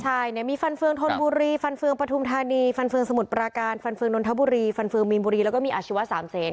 ใช่เนี่ยมีฟันเฟืองธนบุรีฟันเฟืองปฐุมธานีฟันเฟืองสมุทรปราการฟันเฟืองนนทบุรีฟันเฟืองมีนบุรีแล้วก็มีอาชีวะ๓เซน